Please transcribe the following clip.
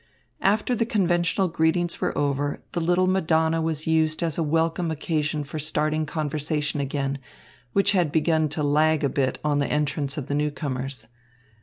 After the conventional greetings were over, the little Madonna was used as a welcome occasion for starting conversation again, which had begun to lag a bit on the entrance of the newcomers.